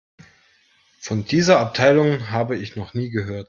Von dieser Abteilung habe ich noch nie gehört.